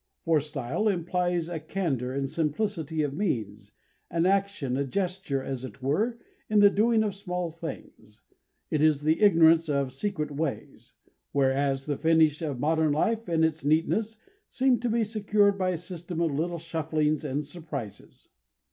For style implies a candour and simplicity of means, an action, a gesture, as it were, in the doing of small things; it is the ignorance of secret ways; whereas the finish of modern life and its neatness seem to be secured by a system of little shufflings and surprises.